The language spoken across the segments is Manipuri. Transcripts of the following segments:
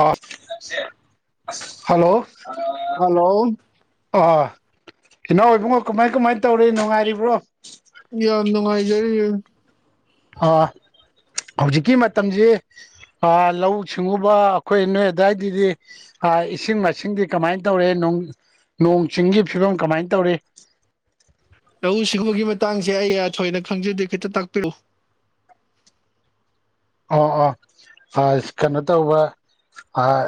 ꯑꯥ [unintelligible] ꯍꯜꯂꯣ [unintelligible] ꯍꯜꯂꯣ ꯑꯥ ꯏꯅꯥꯎ ꯏꯕꯨꯡꯉꯣ ꯀꯃꯥꯏ ꯀꯃꯥꯏ ꯇꯧꯔꯤ ꯅꯨꯡꯉꯥꯏꯔꯤꯕ꯭ꯔꯣ ꯌꯥꯝ ꯅꯨꯡꯉꯥꯏꯖꯔꯤ ꯑꯥ ꯍꯧꯖꯤꯛꯀꯤ ꯃꯇꯝꯖꯤ ꯑꯥ ꯂꯧꯎ ꯁꯤꯡꯎꯕ ꯑꯩꯈꯣꯏ ꯅꯣꯏ ꯑꯗꯥꯏꯗꯤꯗꯤ ꯑꯥ ꯏꯁꯤꯡ ꯃꯥꯏꯁꯤꯡꯗꯤ ꯀꯃꯥꯏ ꯇꯧꯔꯤ ꯅꯣꯡ ꯅꯣꯡ ꯆꯤꯡꯒꯤ ꯐꯤꯕꯝ ꯀꯃꯥꯏ ꯇꯧꯔꯤ [unintelligible] ꯂꯧꯎ ꯁꯤꯡꯎꯒꯤ ꯃꯇꯥꯡꯁꯦ ꯑꯩ ꯊꯣꯏꯅ ꯈꯪꯖꯗꯦ ꯈꯤꯇ ꯇꯥꯛꯄꯤꯔꯛꯎ ꯑꯣ ꯑꯣ ꯑꯁ ꯀꯩꯅꯣ ꯇꯧꯕ ꯑꯥ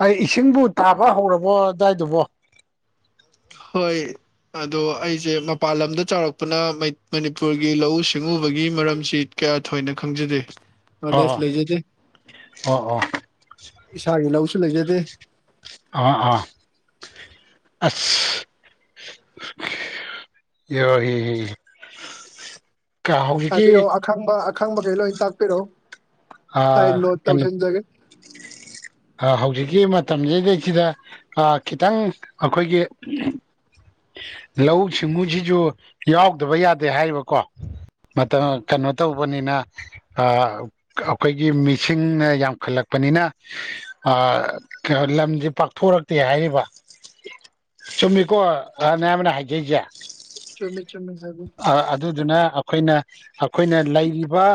ꯑꯍꯝ ꯏꯁꯤꯡꯕꯨ ꯇꯥꯕ ꯍꯧꯔꯕꯣ ꯑꯗꯥꯏꯗꯨꯕꯣ [unintelligible] ꯍꯣꯏ ꯑꯗꯣ ꯑꯩꯖꯦ ꯃꯄꯥꯟ ꯂꯝꯗ ꯆꯥꯎꯔꯛꯄꯅ ꯃꯩ ꯃꯅꯤꯄꯨꯔꯒꯤ ꯂꯧꯎ ꯁꯤꯡꯎꯕꯒꯤ ꯃꯔꯝꯁꯤ ꯀꯌꯥ ꯊꯣꯏꯅ ꯈꯪꯖꯗꯦ ꯅꯣꯂꯦꯖ ꯑꯣꯑꯣ ꯂꯩꯖꯗꯦ ꯑꯣ ꯑꯣ ꯏꯁꯥꯒꯤ ꯂꯧꯁꯨ ꯂꯩꯖꯗꯦ ꯑ ꯑꯥ ꯑꯁ [unintelligible] ꯍꯥꯏꯕꯤꯔꯛꯑꯣ ꯑꯈꯪꯕ ꯑꯈꯪꯕꯒꯩ ꯂꯣꯏ ꯇꯥꯛꯄꯤꯔꯛꯑꯣ ꯑꯩ ꯑꯥ ꯅꯣꯠ ꯀꯩꯅꯣ ꯇꯧꯁꯤꯟꯖꯒꯦ ꯍꯧꯖꯤꯛꯀꯤ ꯃꯇꯝꯖꯤꯗꯩꯖꯤꯗ ꯑꯥ ꯈꯤꯇꯪ ꯑꯥꯈꯣꯏꯒꯤ ꯂꯧꯎ ꯁꯤꯡꯎꯖꯤꯖꯨ ꯌꯥꯎꯗꯕ ꯌꯥꯗꯦ ꯍꯥꯏꯔꯤꯕꯀꯣ ꯃꯇꯝ ꯀꯩꯅꯣ ꯇꯧꯕꯅꯤꯅ ꯑꯥ ꯑꯥꯈꯣꯏꯒꯤ ꯃꯤꯁꯤꯡꯅ ꯌꯥꯝꯈꯠꯂꯛꯄꯅꯤꯅ ꯑꯥ [unintelligible] ꯂꯝꯖꯦꯄꯥꯛꯊꯣꯔꯛꯇꯦ ꯍꯥꯏꯔꯤꯕ ꯆꯨꯝꯃꯤꯀꯣ ꯑ ꯅꯌꯥꯝꯕꯅ ꯍꯥꯏꯖꯩꯖꯦ ꯆꯨꯝꯃꯤ ꯆꯨꯝꯃꯤ ꯍꯥꯏꯕꯤ [unintelligible] ꯑꯥ ꯑꯗꯨꯗꯨꯅ ꯈꯣꯏꯅ ꯑꯥꯈꯣꯏꯅ ꯂꯩꯔꯤꯕ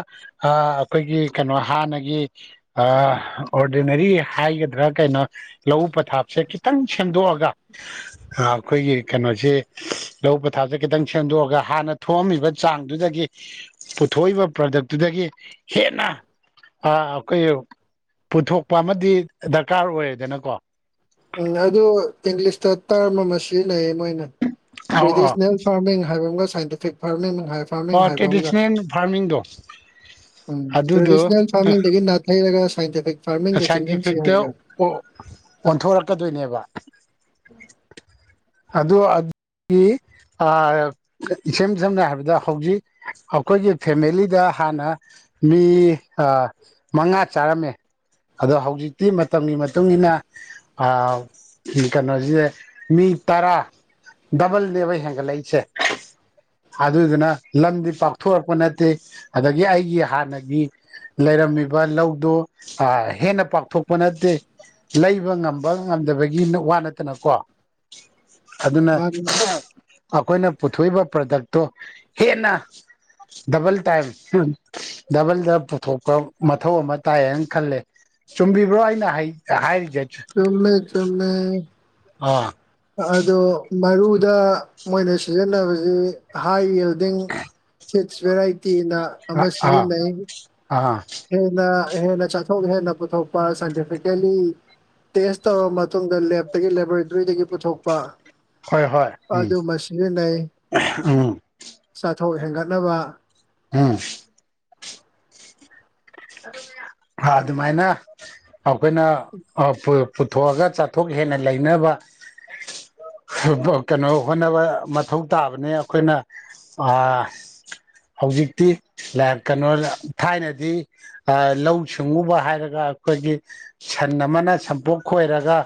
ꯑꯥ ꯈꯣꯏꯒꯤ ꯀꯩꯅꯣ ꯍꯥꯟꯅꯒꯤ ꯑꯥ ꯑꯣꯔꯗꯤꯅꯔꯤ ꯍꯥꯏꯒꯗ꯭ꯔꯥ ꯀꯩꯅꯣ ꯂꯧꯎ ꯄꯊꯥꯞꯁꯦ ꯈꯤꯇꯪ ꯁꯦꯝꯗꯣꯛꯑꯒ ꯑꯈꯣꯏꯒꯤ ꯀꯩꯅꯣꯖꯤ ꯁꯤ ꯂꯧꯎ ꯄꯊꯥꯞꯁꯦ ꯈꯤꯇꯪ ꯁꯦꯝꯗꯣꯛꯑꯒ ꯍꯥꯟꯅ ꯊꯣꯛꯑꯝꯃꯤꯕ ꯆꯥꯡꯗꯨꯗꯒꯤ ꯄꯨꯊꯣꯛꯏꯕ ꯄ꯭ꯔꯗꯛꯇꯨꯗꯒꯤ ꯍꯦꯟꯅ ꯑꯥ ꯑꯩꯈꯣꯏ ꯄꯨꯊꯣꯛꯄ ꯑꯃꯗꯤ ꯗꯔꯀꯥꯔ ꯑꯣꯏꯗꯅꯀꯣ ꯎꯝ ꯑꯗꯨ ꯏꯪꯂꯤꯁꯇ ꯇ꯭ꯔꯝ ꯑꯃ ꯁꯤꯖꯤꯟꯅꯩ ꯃꯣꯢꯅ ꯑꯧ ꯑꯧ ꯇ꯭ꯔꯦꯗꯤꯁꯅꯦꯜ ꯐꯥꯔꯃꯤꯡ ꯍꯥꯏꯕ ꯑꯝꯒ ꯁꯥꯏꯟꯇꯤꯐꯤꯛ ꯐꯥꯔꯃꯤꯡ ꯍꯥꯏ ꯐꯥꯔꯃꯤꯡ ꯄꯥ ꯍꯥꯏꯕ ꯑꯃꯒ ꯇ꯭ꯔꯦꯗꯤꯁꯣꯅꯦꯜ ꯐꯥꯔꯃꯤꯡꯗꯣ ꯎꯝ ꯑꯗꯨꯗꯣ ꯇ꯭ꯔꯦꯗꯤꯁꯅꯦꯜ ꯐꯥꯔꯃꯤꯡ ꯗꯒꯤ ꯅꯥꯊꯩꯔꯒ ꯁꯥꯏꯟꯇꯤꯐꯤꯛ ꯐꯥꯔꯃꯤꯡꯗ ꯆꯪꯁꯤꯟꯁꯤ ꯁꯥꯏꯟꯇꯤꯐꯤꯛꯇ ꯍꯥꯏꯕ꯭ꯔꯥ ꯑꯣ ꯑꯣꯟꯊꯣꯔꯛꯀꯗꯣꯏꯅꯦꯕ ꯑꯗꯨ ꯑꯠ [unintelligible] ꯏꯁꯝ ꯁꯝꯅ ꯍꯥꯏꯔꯕꯗ ꯍꯧꯖꯤꯛ ꯑꯥꯈꯣꯏꯒꯤ ꯐꯦꯃꯦꯂꯤꯗ ꯍꯥꯟꯅ ꯃꯤ ꯑꯥ ꯃꯉꯥ ꯆꯥꯔꯝꯃꯦ ꯑꯗꯣ ꯍꯧꯖꯤꯛꯇꯤ ꯃꯇꯝꯒꯤ ꯃꯇꯨꯡꯏꯟꯅ ꯑꯥ ꯀꯩꯅꯣꯖꯤ ꯃꯤ ꯇꯔꯥ ꯗꯕꯜꯅꯦꯕ ꯍꯦꯟꯒꯠꯂꯛꯏꯖꯦ ꯑꯗꯨꯗꯨꯅ ꯂꯝꯗꯤ ꯄꯥꯛꯊꯣꯔꯣꯔꯛꯄ ꯅꯠꯇꯦ ꯑꯗꯒꯤ ꯑꯩꯒꯤ ꯍꯥꯟꯅꯒꯤ ꯂꯩꯔꯝꯃꯤꯕ ꯂꯧꯗꯨ ꯑꯥ ꯍꯦꯟꯅ ꯄꯥꯛꯊꯣꯛꯄ ꯅꯠꯇꯦ ꯂꯩꯕ ꯉꯝꯕ ꯉꯝ ꯗꯕꯒꯤ ꯋꯥ ꯅꯠꯇꯅꯀꯣ ꯑꯗꯨꯅ ꯃꯥꯅꯤ ꯃꯥ [unintelligible] ꯑꯥꯈꯣꯏꯅ ꯄꯨꯊꯣꯛꯏꯕ ꯄ꯭ꯔꯗꯛꯇꯣ ꯍꯦꯟꯅ ꯗꯕꯜ ꯇꯥꯏꯝ ꯍꯝ ꯗꯕꯜꯗ ꯄꯨꯊꯣꯛꯄ ꯃꯊꯧ ꯑꯃ ꯇꯥꯏꯌꯦꯅ ꯈꯜꯂꯦ ꯆꯨꯝꯕꯤꯕ꯭ꯔꯣ ꯑꯩꯅ ꯍꯩ ꯍꯥꯏ ꯆꯨꯝꯃꯦ ꯆꯨꯝꯃꯦ ꯑꯥ ꯑꯗꯣ ꯃꯔꯨꯗ ꯃꯣꯏꯅ ꯁꯤꯖꯤꯟꯅꯕꯁꯤ ꯍꯥꯏ ꯌꯦꯜ ꯗꯤꯡ ꯆꯦꯠ ꯚꯦꯔꯥꯏꯇꯤ ꯑꯅ ꯑꯃ ꯑꯥ ꯁꯤꯖꯤꯟꯅꯩ ꯑꯥ ꯍꯦꯟꯅ ꯍꯦꯟꯅ ꯆꯥꯊꯣꯛ ꯍꯦꯟꯅ ꯄꯨꯊꯣꯛꯄ ꯁꯥꯏꯟꯇꯤꯐꯤꯀꯦꯜꯂꯤ ꯇꯦꯁ ꯇꯧ ꯃꯇꯨꯡꯗ ꯂꯦꯞꯇꯒꯤ ꯂꯦꯕꯣꯔꯦꯇꯣꯔꯤꯗꯒꯤ ꯄꯨꯊꯣꯛꯄ ꯍꯣꯏ ꯍꯣꯏ ꯎꯝ ꯑꯗꯨ ꯃ ꯁꯤꯖꯤꯟꯅꯩ ꯎꯝ ꯊꯣꯛ ꯍꯦꯟꯒꯠꯅꯕ ꯎꯝ ꯑꯗꯨꯃꯥꯏꯅ ꯑꯈꯣꯏꯅ ꯄꯨꯊꯣꯛꯑꯒ ꯆꯥꯊꯣꯛ ꯍꯦꯟꯅ ꯂꯩꯅꯕ ꯀꯩꯅꯣ ꯍꯣꯠꯅꯕ ꯃꯊꯧ ꯇꯥꯕꯅꯦ ꯑꯩꯈꯣꯏꯅ ꯍꯧꯖꯤꯛꯇꯤ ꯀꯩꯅꯣ ꯊꯥꯏꯅꯗꯤ ꯂꯧꯎ ꯁꯤꯡꯎꯕ ꯍꯥꯏꯔꯒ ꯑꯩꯈꯣꯏꯒꯤ ꯁꯟ ꯑꯃꯅ ꯁꯝꯄꯣꯛ ꯈꯣꯏꯔꯒ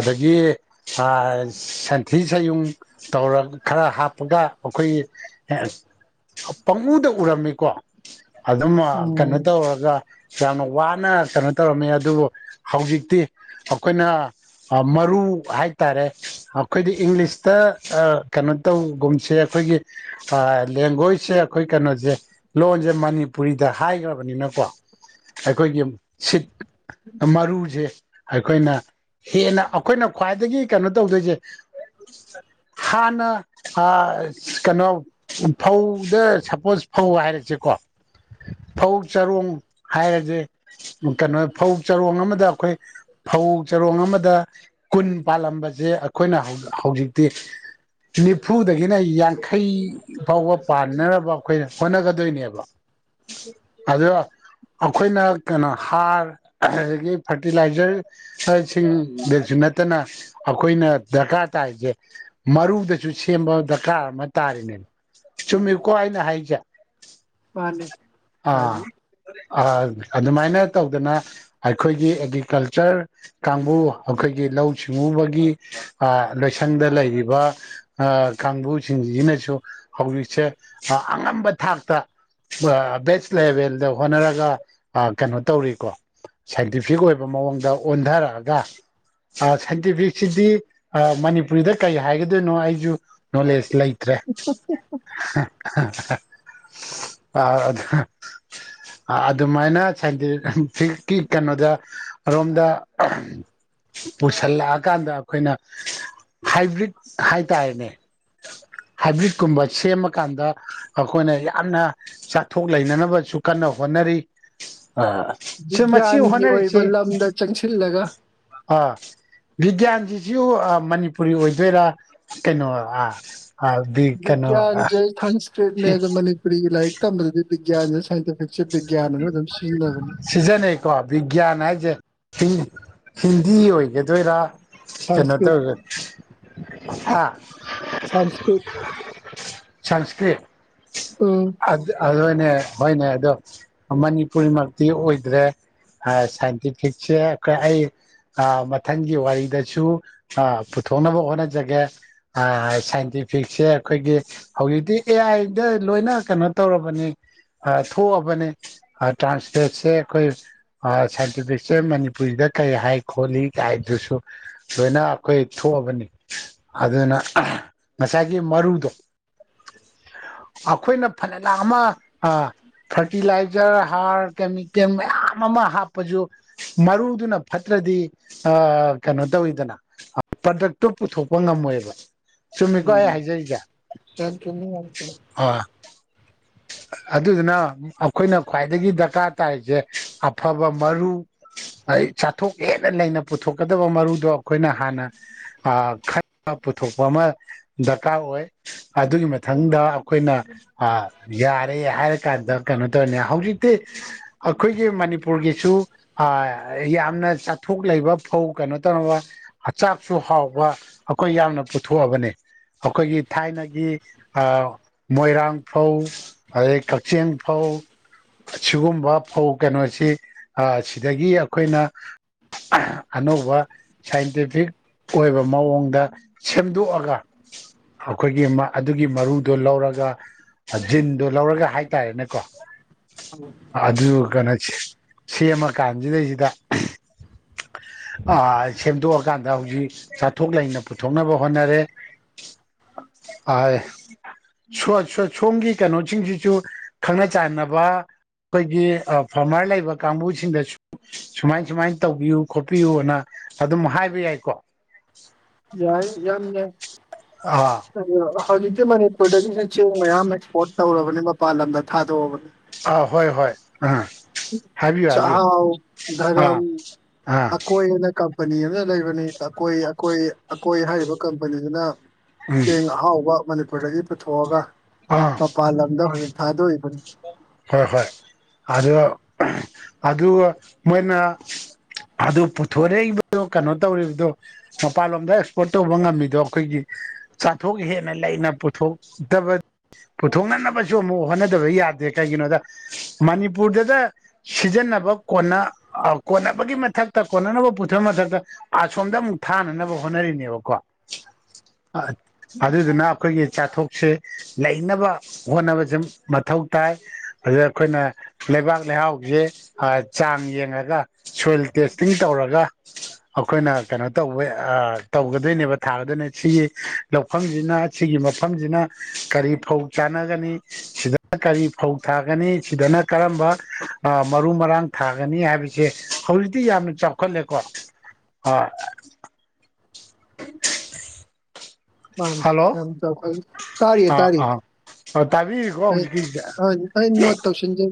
ꯑꯗꯒꯤ ꯁꯟꯊꯤ ꯁꯟꯌꯨꯡ ꯇꯧꯔ ꯈꯔ ꯍꯥꯞꯄꯒ ꯑꯩꯈꯣꯏꯒꯤ ꯄꯥꯉꯨꯗ ꯎꯔꯝꯃꯤꯀꯣ ꯑꯗꯨꯝ ꯎꯝ ꯀꯩꯅꯣ ꯇꯧꯔꯒ ꯌꯥꯝꯅ ꯋꯥꯅ ꯀꯩꯅꯣ ꯇꯧꯔꯝꯃꯦ ꯑꯗꯨꯕꯨ ꯍꯧꯖꯤꯛꯇꯤ ꯑꯩꯈꯣꯏꯅ ꯃꯔꯨ ꯍꯥꯏꯇꯥꯔꯦ ꯑꯩꯈꯣꯏꯗꯤ ꯏꯪꯂꯤꯁꯇ ꯀꯩꯅꯣ ꯇꯧꯒꯨꯝꯁꯦ ꯑꯩꯈꯣꯏꯒꯤ ꯂꯦꯡꯒ꯭ꯣꯏꯖꯁꯦ ꯑꯩꯈꯣꯏ ꯀꯩꯅꯣꯁꯦ ꯂꯣꯟꯁꯦ ꯃꯅꯤꯄꯨꯔꯤꯗ ꯍꯥꯏꯈ꯭ꯔꯕ ꯕꯅꯤꯅꯀꯣ ꯑꯩꯈꯣꯏꯒꯤ ꯁꯤꯠ ꯃꯔꯨꯁꯦ ꯑꯩꯈꯣꯏꯅ ꯍꯦꯟꯅ ꯑꯩꯈꯣꯏꯅ ꯈ꯭ꯋꯥꯏꯗꯒꯤ ꯀꯩꯅꯣ ꯇꯧꯗꯣꯏꯁꯦ ꯍꯥꯟꯅ ꯀꯩꯅꯣ ꯐꯧꯗ ꯁꯄꯣꯁ ꯐꯧ ꯍꯥꯏꯔꯁꯦꯀꯣ [inaudible] ꯐꯧ ꯆꯔꯣꯡ ꯍꯥꯏꯔꯁꯦ ꯀꯩꯅꯣ ꯐꯧ ꯆꯔꯣꯡ ꯑꯃꯗ ꯑꯩꯈꯣꯏ ꯐꯧ ꯆꯔꯣꯡ ꯑꯃꯗ ꯀꯨꯟ ꯄꯥꯜꯂꯝꯕꯁꯦ ꯑꯩꯈꯣꯏꯅ ꯍꯧꯖꯤꯛꯇꯤ ꯅꯤꯐꯨꯗꯒꯤꯅ ꯌꯥꯡꯈꯩ ꯐꯥꯎꯕ ꯄꯥꯟꯅꯅꯕ ꯑꯩꯈꯣꯏꯅ ꯍꯣꯠꯅꯒꯗꯣꯏꯅꯦꯕ ꯑꯗꯣ ꯑꯩꯈꯣꯏꯅ ꯀꯩꯅꯣ ꯍꯥꯔ ꯑꯗꯒꯤ ꯐꯔꯇꯤꯂꯥꯏꯖꯔ ꯁꯤꯡꯗ ꯅꯠꯇꯅ ꯑꯩꯈꯣꯏꯅ ꯗꯔꯀꯥꯔ ꯇꯥꯔꯤꯁꯦ ꯃꯔꯨꯗꯁꯨ ꯁꯦꯝꯕ ꯗꯔꯀꯥꯔ ꯑꯃ ꯇꯥꯔꯤꯅꯦꯕ ꯆꯨꯝꯃꯤꯀꯣ ꯑꯩꯅ ꯍꯥꯏꯁꯦ ꯃꯥꯅꯤ ꯍꯥꯏꯗꯤ ꯑꯥ ꯑꯗꯨꯃꯥꯏꯅ ꯇꯧꯗꯅ ꯑꯩꯈꯣꯏꯒꯤ ꯑꯦꯒ꯭ꯔꯤꯀꯜꯆꯔ ꯀꯥꯡꯕꯨ ꯑꯩꯈꯣꯏꯒꯤ ꯂꯧꯎ ꯁꯤꯡꯎꯕꯒꯤ ꯂꯣꯏꯁꯪꯗ ꯂꯩꯔꯤꯕ ꯀꯥꯡꯕꯨꯁꯤꯡꯁꯤꯅꯁꯨ ꯍꯧꯖꯤꯛꯁꯦ ꯑꯉꯝꯕ ꯊꯥꯛꯇ ꯕꯦꯁ ꯂꯦꯚꯦꯜꯗ ꯍꯣꯠꯅꯔꯒ ꯀꯩꯅꯣ ꯇꯧꯔꯤꯀꯣ ꯁꯥꯏꯟꯇꯤꯐꯤꯛ ꯑꯣꯏꯕ ꯃꯑꯣꯡꯗ ꯑꯣꯟꯊꯔꯛꯑꯒ ꯁꯥꯏꯟꯇꯤꯐꯤꯛꯁꯤꯗꯤ ꯃꯅꯤꯄꯨꯔꯤꯗ ꯀꯔꯤ ꯍꯥꯏꯒꯗꯣꯏꯅꯣ ꯑꯩꯁꯨ ꯅꯣꯂꯦꯖ ꯂꯩ ꯇ꯭ꯔꯦ ꯑꯗꯨꯃꯥꯏꯅ ꯁꯥꯏꯟꯇꯤꯐꯤꯛ ꯀꯤ ꯀꯩꯅꯣꯗ ꯔꯣꯝꯗ ꯄꯨꯁꯤꯜꯂꯛꯑꯀꯥꯟꯗ ꯑꯩꯈꯣꯏꯅ ꯍꯥꯏꯕ꯭ꯔꯤꯠ ꯍꯥꯏꯇꯥꯔꯦꯅꯦ ꯍꯥꯏꯕ꯭ꯔꯤꯠꯀꯨꯝꯕ ꯁꯦꯝꯃꯀꯥꯟꯗ ꯑꯩꯈꯣꯏꯅ ꯌꯥꯝꯅ ꯆꯥꯛ ꯊꯣꯛ ꯂꯩꯅꯅꯕꯁꯨ ꯀꯟꯅ ꯍꯣꯠꯅꯔꯤ ꯁꯤ ꯃꯁꯤ ꯕꯤꯒ꯭ꯌꯥꯟꯒꯤ ꯍꯣꯠꯅꯔꯤꯁꯤ ꯑꯣꯏꯕ ꯂꯝꯗ ꯆꯪꯁꯤꯜꯂꯒ ꯑꯥ ꯕꯤꯒ꯭ꯌꯥꯟꯁꯤꯁꯨ ꯃꯅꯤꯄꯨꯔꯤ ꯑꯣꯏꯗꯣꯏꯔꯥ ꯀꯩꯅꯣ ꯑꯥ ꯕꯤꯒ꯭ꯌꯥꯥꯟ ꯁꯦ ꯁꯪꯁꯀ꯭ꯔꯤꯠꯅꯦ ꯑꯗꯨ ꯃꯅꯤꯄꯨꯔꯤꯒꯤ ꯂꯥꯏꯔꯤꯛ ꯇꯝꯕꯗꯗꯤ ꯕꯤ꯭ꯒꯌꯥꯟꯁꯦ ꯁꯥꯏꯟꯇꯤꯐꯤꯛꯁꯦ ꯕꯤꯒ꯭ꯌꯥꯟꯅ ꯑꯗꯨꯝ ꯁꯤꯖꯤꯟꯅꯕꯅꯤ ꯀꯣ ꯕꯤꯒ꯭ꯌꯥꯟ ꯍꯥꯏꯖꯦ ꯍꯤꯟꯗꯤ ꯑꯣꯏꯒꯗꯣꯏꯔꯥ ꯀꯩꯅꯣꯗ ꯁꯪꯁꯀ꯭ꯔꯤꯠ ꯍꯥ ꯁꯪꯁꯀ꯭ꯔꯤꯠ ꯁꯪꯁꯀ꯭ꯔꯤꯠ ꯎꯝ ꯑꯗꯨꯅꯦ ꯍꯣꯏꯅꯦ ꯑꯗꯣ ꯃꯅꯤꯄꯨꯔꯤꯃꯛꯇꯤ ꯑꯣꯏꯗ꯭ꯔꯦ [unintelligible] ꯁꯥꯏꯟꯇꯤꯐꯤꯛꯁꯦ ꯑꯩ ꯑꯥ ꯃꯊꯪꯒꯤ ꯋꯥꯔꯤꯗꯁꯨ ꯑꯥ ꯄꯨ ꯊꯣꯛꯅꯕ ꯍꯣꯠꯅꯖꯒꯦ ꯑꯥ ꯁꯥꯏꯟꯇꯤꯐꯤꯛꯁꯦ ꯈꯣꯏꯒꯤ ꯍꯧꯖꯤꯛꯇꯤ ꯑꯦ ꯑꯥꯏꯗ ꯂꯣꯏꯅ ꯀꯩꯅꯣ ꯇꯧꯔꯕꯅꯤ ꯑꯥ ꯊꯣꯛꯑꯕꯅꯤ ꯑꯥ ꯇ꯭ꯔꯥꯟꯁꯂꯦꯠꯁꯦ ꯈꯣꯏ ꯑꯥ ꯁꯥꯏꯟꯇꯤꯐꯤꯛꯁꯦ ꯃꯅꯤꯄꯨꯔꯤꯗ ꯀꯔꯤ ꯍꯥꯏ ꯈꯣꯠꯂꯤ ꯗꯥꯏꯗꯨꯁꯨ ꯂꯣꯏꯅ ꯑꯩꯈꯣꯏ ꯊꯣꯛꯑꯕꯅꯤ ꯑꯗꯨꯅ ꯑꯥ ꯉꯁꯥꯏꯒꯤ ꯃꯔꯨꯗꯣ ꯑꯥꯈꯣꯏꯅ ꯐꯅꯂꯥꯛ ꯑꯃ ꯑꯥ ꯐ꯭ꯔꯇꯤꯂꯥꯏ ꯖ꯭ꯔ ꯍꯥꯔ ꯀꯦꯃꯤꯀꯦꯜ ꯃꯌꯥꯝ ꯑꯃ ꯍꯥꯞꯄꯖꯨ ꯃꯔꯨꯗꯨꯅ ꯐꯠꯇ꯭ꯔꯗꯤ ꯑꯥ ꯀꯩꯅꯣ ꯇꯧꯋꯤꯗꯅ ꯄ꯭ꯔꯗꯛꯇꯣ ꯄꯨꯊꯣꯛꯄ ꯉꯝꯃꯣꯏꯕ ꯆꯨꯝꯃꯤꯀꯣ ꯎꯝ ꯑꯩ ꯍꯥꯏꯖꯔꯤꯁꯦ ꯌꯥꯝ ꯆꯨꯝꯃꯤ ꯌꯥꯝ ꯆꯨꯝꯃꯤ ꯑꯗꯨꯅ ꯑꯧ ꯈꯣꯏꯅ ꯈ꯭ꯋꯥꯏꯗꯒꯤ ꯗ꯭ꯔꯀꯥꯔ ꯇꯥꯔꯤꯖꯦ ꯑꯐꯕ ꯃꯔꯨ ꯑꯩ ꯆꯥꯊꯣꯛ ꯍꯦꯟꯅ ꯂꯩꯩ ꯄꯨꯊꯣꯛꯀꯗꯕ ꯃꯔꯨꯗꯣ ꯈꯣꯏꯅ ꯍꯥꯟꯅ ꯑꯥ ꯈꯟꯕ ꯄꯨꯊꯣꯛꯄ ꯑꯃ ꯗ꯭ꯔꯀꯥꯔ ꯑꯥ ꯑꯣꯏ ꯑꯗꯨꯒꯤ ꯃꯊꯪꯗ ꯑꯥꯈꯣꯏꯅ ꯑꯥ ꯌꯥꯔꯦ ꯍꯥꯏꯔ ꯀꯥꯟꯗ ꯀꯩꯅꯣ ꯇꯔꯅꯦ ꯍꯧꯖꯤꯛꯇꯤ ꯑꯥꯈꯣꯏꯒꯤ ꯃꯅꯤꯄꯨꯔꯒꯤꯁꯨ ꯑꯥ ꯌꯥꯝꯅ ꯆꯥꯊꯣꯛ ꯂꯩ ꯂꯩꯕ ꯐꯧ ꯀꯩꯅꯣ ꯇꯧꯅꯕ ꯆꯥꯛꯁꯨ ꯍꯥꯎꯕ ꯑꯥꯈꯣꯏ ꯌꯥꯝꯅ ꯄꯨꯊꯣꯛꯑꯕꯅꯦ ꯑꯥꯈꯣꯏꯒꯤ ꯊꯥꯏꯅꯒꯤ ꯑꯥ ꯃꯣꯏꯔꯥꯡ ꯐꯧ ꯑꯗꯩ ꯀꯛꯆꯦꯡ ꯐꯧ ꯁꯤꯒꯨꯝꯕ ꯐꯧ ꯀꯩꯅꯣꯁꯤ ꯑꯥ ꯁꯤꯗꯒꯤ ꯑꯥꯈꯣꯏꯅ [unintelligible] ꯑꯅꯧꯕ ꯁꯥꯏꯟꯇꯤꯐꯤꯛ ꯑꯣꯏꯕ ꯃꯑꯣꯡꯗ ꯁꯦꯝꯗꯣꯛꯑꯒ ꯑꯥꯈꯣꯏꯒꯤ ꯃꯥ ꯑꯗꯨꯒꯤ ꯃꯔꯨꯗꯣ ꯂꯧꯔꯒ ꯖꯤꯟꯗꯣ ꯂꯧꯔꯒ ꯍꯥꯏꯇꯥꯔꯦꯅꯦꯀꯣ ꯆꯨꯝꯃꯤ ꯑꯗꯨ ꯀꯩꯅꯣ ꯁꯦꯝꯃ ꯀꯥꯟꯖꯤꯗꯩꯖꯤꯗ [unintelligible] ꯑꯥ ꯁꯦꯝꯗꯣꯛꯑꯀꯥꯟꯗ ꯍꯨꯖꯤꯛ ꯆꯥꯊꯣꯛ ꯂꯩꯅ ꯄꯨꯊꯣꯛꯅꯕ ꯍꯣꯠꯅꯔꯦ ꯑꯥ ꯁꯣ ꯁꯣ ꯁꯣꯝꯒꯤ ꯀꯩꯅꯣꯖꯤꯡꯖꯤꯁꯨ ꯈꯪꯅ ꯆꯥꯟꯅ ꯋꯥ ꯈꯣꯏꯒꯤ ꯐꯥꯔꯃꯔ ꯂꯩꯕ ꯀꯥꯡꯕꯨꯁꯤꯡꯗꯁꯨ ꯁꯨꯃꯥꯏ ꯁꯨꯃꯥꯏꯅ ꯇꯧꯕꯤꯌꯨ ꯈꯣꯠꯄꯤꯌꯨꯅ ꯑꯗꯨꯝ ꯍꯥꯏꯕ ꯌꯥꯏꯀꯣ ꯌꯥꯏ ꯌꯥꯝ ꯑꯥ ꯌꯥꯏꯍꯧꯖꯤꯛꯇꯤ ꯃꯅꯤꯄꯨꯔꯗꯒꯤ ꯆꯦꯡ ꯃꯌꯥꯝ ꯑꯦꯛꯁꯄꯣꯔꯠ ꯇꯧꯔꯕꯅꯤ ꯃꯄꯥꯟ ꯂꯝꯗ ꯊꯥꯗꯣꯛꯑꯕꯅꯤ ꯑꯥ ꯍꯣꯏ ꯍꯣꯏ ꯑꯥ ꯍꯥꯏꯕꯤꯌꯨ ꯍꯥꯏꯕꯤꯌꯨ ꯆꯥꯛꯍꯥꯎ ꯙꯔꯝ ꯑꯥ ꯑꯥ ꯑꯀꯣꯏꯅ ꯀꯝ ꯀꯝꯄꯦꯅꯤ ꯑꯃ ꯂꯩꯕꯅꯤ ꯑꯀꯣꯏ ꯑꯀꯣꯏ ꯑꯀꯣꯏ ꯍꯥꯏꯔꯤꯕ ꯀꯝꯄꯦꯅꯤꯖꯤꯅ ꯎꯝ ꯆꯦꯡ ꯑꯍꯥꯎꯕ ꯃꯅꯤꯄꯨꯔꯗꯒꯤ ꯄꯨꯊꯣꯛꯑꯒ ꯑꯥ ꯃꯄꯥꯟ ꯂꯝꯗ ꯍꯨꯖꯤꯛ ꯊꯥꯗꯣꯛꯏꯕ ꯍꯣꯏ ꯍꯣꯏ ꯑꯗꯣ ꯑꯗꯨꯒ ꯃꯣꯏꯅ ꯑꯗꯨ ꯄꯨꯊꯣꯔꯛꯏꯕ ꯀꯩꯅꯣ ꯇꯧꯔꯤꯕꯗꯣ ꯃꯄꯥꯟꯂꯣꯝꯗ ꯑꯦꯛꯁꯄꯣꯔꯠ ꯇꯧꯕ ꯉꯝꯃꯤꯗꯣ ꯈꯣꯏꯒꯤ ꯆꯥꯊꯣꯛ ꯍꯦꯟꯅ ꯂꯩ ꯍꯦꯟꯅ ꯄꯨꯊꯣꯛꯗꯕꯩ ꯄꯨꯊꯣꯛꯅꯅꯕꯁꯨ ꯑꯃꯨꯛ ꯍꯣꯠꯅꯗꯕ ꯌꯥ ꯀꯩꯒꯤꯅꯣꯗ ꯃꯅꯤꯄꯨꯔꯗꯗ ꯁꯤꯖꯤꯟꯅꯕ ꯀꯣꯟꯅ ꯀꯣꯟꯅꯕꯒꯤ ꯃꯊ ꯃꯊꯛꯇ ꯀꯣꯟꯅꯅꯕ ꯄꯨꯊ ꯃꯊꯛꯇ ꯑꯁꯣꯝꯗ ꯑꯃꯨꯛ ꯊꯥꯅꯅꯕ ꯍꯣꯠꯅꯔꯤꯅꯦꯕꯀꯣ ꯑꯥ ꯑꯗꯨꯗꯨꯅ ꯑꯩꯈꯣꯏꯒꯤ ꯆꯥꯊꯣꯛꯁꯦ ꯂꯩꯅꯕ ꯍꯣꯠꯅꯕꯖꯦ ꯃꯊꯧ ꯇꯥꯏ ꯑꯗ ꯈꯣꯏꯅ ꯂꯩꯕꯥꯛ ꯂꯩꯍꯥꯎꯖꯦ ꯑꯥ ꯆꯥꯡ ꯌꯦꯡꯉꯒ ꯁꯣꯏꯜ ꯇꯦꯁꯇꯤꯡ ꯇꯧꯔꯒ ꯑꯥꯈꯣꯏꯅ ꯀꯩꯅꯣ ꯇꯧꯕꯩ ꯑꯥ ꯇꯧꯒꯗꯣꯏꯅꯦꯕ ꯊꯥꯒꯗꯣꯏꯅꯦ ꯁꯤꯒꯤ ꯂꯧꯐꯝꯖꯤꯅ ꯁꯤꯒꯤ ꯃꯐꯝꯖꯤꯅ ꯀꯔꯤ ꯐꯧ ꯆꯥꯟꯅꯒꯅꯤ ꯁꯤꯗ ꯀꯔꯤ ꯐꯧ ꯊꯥꯒꯅꯤ ꯁꯤꯗꯅ ꯀꯔꯝꯕ ꯃꯔꯨ ꯃꯔꯥꯡ ꯊꯥꯒꯅꯤ ꯍꯥꯏꯕꯖꯦ ꯍꯧꯖꯤꯛꯇꯤ ꯌꯥꯝꯅ ꯆꯥꯎꯈꯠꯂꯦꯀꯣ ꯑꯥ [unintelligible] ꯄꯥꯝ ꯍꯜꯂꯣ ꯌꯥꯝ ꯆꯥꯎꯈꯠ ꯇꯥꯔꯤꯌꯦ ꯑꯥ ꯇꯔꯤꯌꯦ ꯑꯥ ꯇꯥꯕꯤꯔꯤꯀꯣ ꯑꯩ ꯍꯧꯖꯤꯛꯀꯤꯁꯦ ꯑ ꯑꯩ ꯅꯣꯠ ꯇꯧꯁꯤꯖꯒꯦ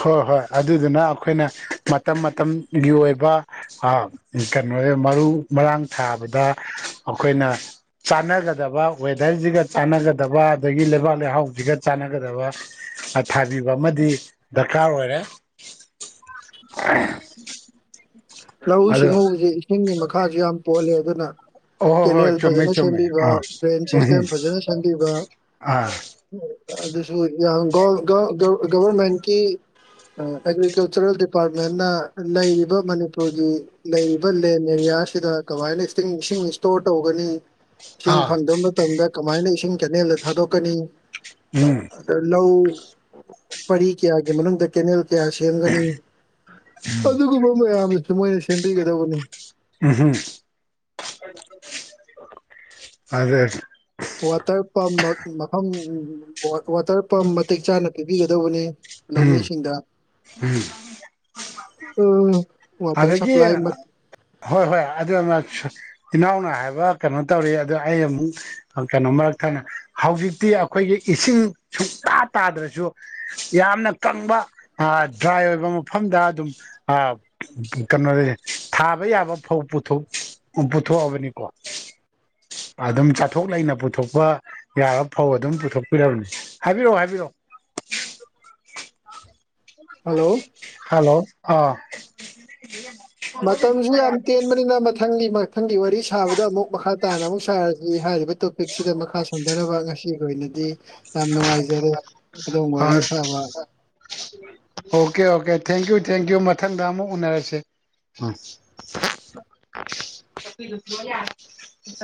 ꯍꯣꯏ ꯍꯣꯏ ꯑꯗꯨꯗꯨꯅ ꯑꯩꯈꯣꯏꯅ ꯃꯇꯝ ꯃꯇꯝꯒꯤ ꯑꯣꯏꯕ ꯐꯥꯔꯝ ꯀꯩꯅꯣ ꯃꯔꯨ ꯃꯔꯥꯡ ꯊꯥꯕ ꯂꯩꯕ ꯑꯩꯈꯣꯏꯅ ꯆꯥꯟꯅꯒꯗꯕ ꯋꯦꯗꯔꯁꯤꯒ ꯆꯥꯟꯅꯒꯗꯕ ꯑꯗꯒꯤ ꯂꯩꯕꯥꯛ ꯂꯩꯍꯥꯎꯁꯤꯒ ꯆꯥꯟꯅꯒꯗꯕ ꯊꯥꯕꯤꯕ ꯑꯃꯗꯤ ꯗꯤ ꯗꯔꯀꯥꯔ ꯑꯣꯏꯔꯦ ꯂꯧꯎ ꯑꯗꯣ ꯁꯤꯡꯎꯁꯦ ꯏꯁꯤꯡꯒꯤ ꯃꯈꯥꯁꯨ ꯌꯥꯝ ꯄꯣꯜꯂꯦ ꯑꯗꯨꯅ ꯑꯣ ꯍꯣꯏ ꯍꯣꯏ ꯀꯦꯅꯦꯜ ꯆꯨꯝꯃꯦ ꯐꯖꯅ ꯆꯨꯝꯃꯦ ꯁꯦꯝꯕꯤꯕ ꯑꯥ ꯗ꯭ꯔꯦꯟ ꯎꯝ ꯁꯤꯁꯇꯦꯝ ꯐꯖꯅ ꯁꯦꯝꯕꯤꯕ ꯑꯥ ꯑꯗꯨꯁꯨ ꯌꯥꯝ ꯒ ꯒ ꯒꯕꯔꯃꯦꯟꯀꯤ ꯑꯦꯒ꯭ꯔꯤꯀꯜꯆꯔꯦꯜ ꯗꯤꯄꯥꯔꯠꯃꯦꯟꯅ ꯂꯩꯔꯤꯕ ꯃꯅꯤꯄꯨꯔ ꯃꯅꯤꯄꯨꯔꯒꯤ ꯂꯩꯔꯤꯕ ꯂꯦꯟ ꯑꯦꯔꯤꯌꯥꯁꯤꯗ ꯀꯃꯥꯏꯅ ꯏꯁꯇꯤꯡ ꯏꯁꯤꯡ ꯏꯁꯇꯣꯔ ꯇꯧꯒꯅꯤ ꯏꯁꯤꯡ ꯑꯥ ꯐꯪꯗꯕ ꯃꯇꯝꯗ ꯀꯃꯥꯏꯅ ꯏꯁꯤꯡ ꯀꯦꯅꯦꯜꯗ ꯊꯥꯗꯣꯛꯀꯅꯤ ꯎꯝ ꯑꯗ ꯂꯧ ꯄꯔꯤ ꯀꯌꯥꯒꯤ ꯃꯅꯨꯡꯗ ꯀꯦꯅꯦꯜ ꯀꯌꯥ ꯁꯦꯝꯒꯅꯤ ꯑꯗꯨꯒꯨꯝꯕ ꯃꯌꯥꯝꯗꯨꯁꯨ ꯃꯣꯏꯅ ꯁꯦꯝꯕꯤꯒꯗꯧꯕꯅꯤ ꯎꯝ ꯍꯝ ꯐꯖꯩ ꯋꯥꯇꯔ ꯄꯝ ꯃꯐꯝ ꯋꯥꯇꯔ ꯄꯝ ꯃꯇꯤꯛ ꯆꯥꯅ ꯄꯤꯕꯤꯒꯗꯧꯕꯅꯤ ꯎꯝ ꯂꯧꯃꯤꯁꯤꯡꯗ ꯎꯝ ꯑꯗꯒꯤ ꯍꯣꯏ ꯍꯣꯏ ꯑꯗꯨ ꯏꯅꯥꯎꯅ ꯍꯥꯏꯕ ꯀꯩꯅꯣ ꯇꯧꯔꯤ ꯑꯗꯣ ꯑꯩ ꯑꯃꯨꯛ ꯀꯩꯅꯣ ꯃꯔꯛ ꯊꯪꯅ ꯍꯧꯖꯤꯛꯇꯤ ꯑꯩꯈꯣꯏꯒꯤ ꯏꯁꯤꯡ ꯁꯨꯀꯥ ꯇꯥꯗ꯭ꯔꯁꯨ ꯌꯥꯝꯅ ꯀꯪꯕ ꯗ꯭ꯔꯥꯏ ꯑꯣꯏꯕ ꯃꯐꯝ ꯗ ꯑꯗꯨꯝ ꯑ ꯀꯩꯅꯣꯁꯦ ꯊꯥꯕ ꯌꯥꯕ ꯐꯧ ꯄꯨꯊꯣꯛ ꯄꯨꯊꯣꯛꯑꯕꯅꯤꯀꯣ [inaudible] ꯑꯗꯨꯝ ꯆꯥꯊꯣꯛ ꯂꯩꯅ ꯄꯨꯊꯣꯛꯄ ꯌꯥꯕ ꯐꯧ ꯑꯗꯨꯝ ꯄꯨꯊꯣꯛꯄꯤꯔꯕꯅꯤ ꯍꯥꯏꯕꯤꯔꯛꯑꯣ ꯍꯥꯏꯕꯤꯔꯛꯑꯣ [unintelligible] ꯍꯜꯂꯣ ꯍꯜꯂꯣ ꯑꯥ ꯃꯇꯝꯁꯨ ꯌꯥꯝ ꯇꯦꯟꯕꯅꯤꯅ ꯃꯊꯪꯒꯤ ꯃꯊꯪꯒꯤ ꯋꯥꯔꯤ ꯁꯥꯕꯗ ꯑꯃꯨꯛ ꯃꯈꯥ ꯇꯥꯅ ꯑꯃꯨꯛ ꯁꯥꯔꯗꯤ ꯍꯥꯏꯔꯤꯕ ꯇꯣꯄꯤ ꯄꯤꯛꯁꯤꯗ ꯃꯈꯥ ꯁꯣꯟꯊꯔꯤꯕ ꯉꯁꯤꯒꯤ ꯑꯣꯏꯅꯗꯤ ꯌꯥꯝ ꯅꯨꯡꯉꯥꯏꯖꯔꯦ ꯈꯨꯗꯣꯡꯒ ꯋꯥꯔꯤ ꯁꯥꯕ ꯑꯣꯀꯦ ꯑꯣꯀꯦ ꯊꯦꯡꯀ꯭ꯌꯨ ꯊꯦꯡꯀ꯭ꯌꯨ ꯃꯊꯪꯗ ꯑꯃꯨꯛ ꯎꯅꯔꯁꯦ [unintelligible]